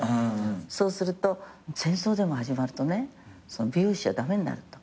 そうすると戦争でも始まるとね美容師じゃ駄目んなると。